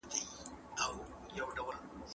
که یې پرې نه کړې پرې کوي دې.